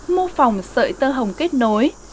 mô phòng sợi tơ hồng kết nối